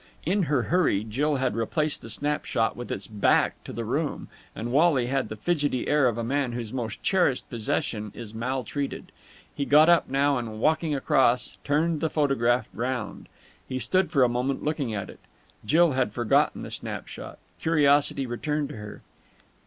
In her hurry Jill had replaced the snapshot with its back to the room, and Wally had the fidgety air of a man whose most cherished possession is maltreated. He got up now and, walking across, turned the photograph round. He stood for a moment, looking at it. Jill had forgotten the snapshot. Curiosity returned to her.